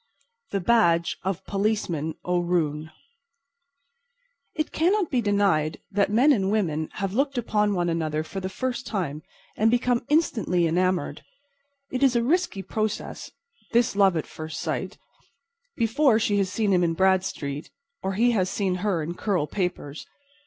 THE BADGE OF POLICEMAN O'ROON It cannot be denied that men and women have looked upon one another for the first time and become instantly enamored. It is a risky process, this love at first sight, before she has seen him in Bradstreet or he has seen her in curl papers.